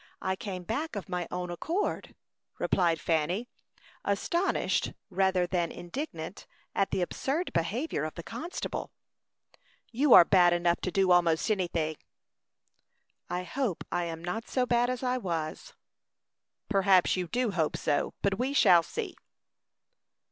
I came back of my own accord," replied Fanny, astonished rather than indignant at the absurd behavior of the constable. "You are bad enough to do almost anything." "I hope I am not so bad as I was." "Perhaps you do hope so; but we shall see."